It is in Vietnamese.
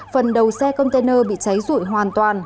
phần đầu xe container bị cháy rụi hoàn toàn